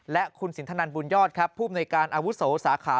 และคุณสินทนันบุญยอดผู้บริการอวุศวสาขา